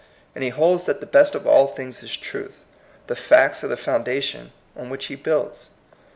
And he holds that the best of all things is truth. The facts are the foun dation on which he builds.